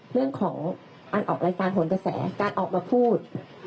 เรื่องของการออกรายการโหนกระแสการออกมาพูด